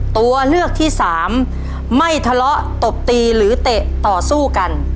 ตัวเลือกที่สามไม่ทะเลาะตบตีหรือเตะต่อสู้กัน